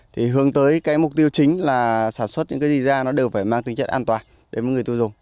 thì hướng tới cái mục tiêu chính là sản xuất những cái gì ra nó đều phải mang tính chất an toàn để mọi người tui dùng